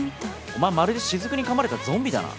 お前まるで雫に噛まれたゾンビだな。